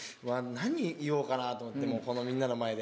何言おうかなと思ってこのみんなの前で。